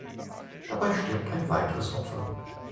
Dabei stirbt ein weiteres Opfer.